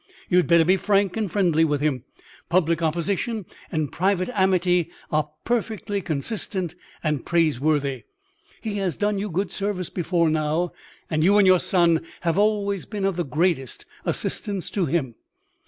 You had better be frank and friendly with him. Public opposition and private amity are perfectly consistent and praiseworthy. He has done you good service before now; and you and your Son have always been of the greatest assistance to him."